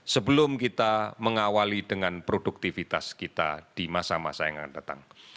sebelum kita mengawali dengan produktivitas kita di masa masa yang akan datang